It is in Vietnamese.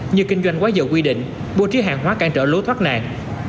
như kinh doanh quá dầu quy định bố trí hàng hóa cản trở lố thoát nạn